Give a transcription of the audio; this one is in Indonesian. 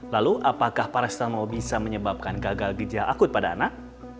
lalu apakah paracetamol bisa menyebabkan gagal ginjal akut pada anak